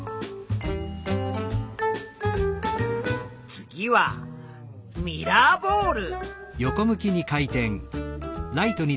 次はミラーボール。